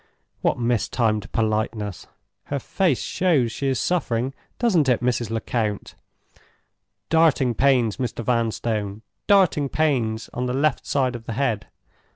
What mistimed politeness! Her face shows she is suffering—doesn't it Mrs. Lecount? Darting pains, Mr. Vanstone, darting pains on the left side of the head.